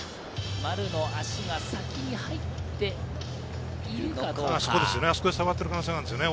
丸の足が先に入っているかどうか。